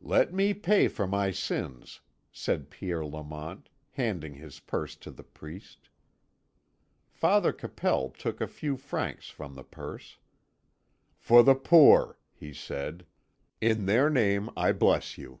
"Let me pay for my sins," said Pierre Lamont, handing his purse to the priest. Father Capel took a few francs from the purse. "For the poor," he said. "In their name I bless you!"